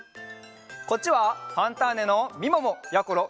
こっちは「ファンターネ！」のみももやころ